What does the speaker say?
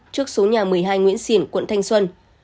trước số nhà một mươi hai nguyễn xiển quận thanh xuân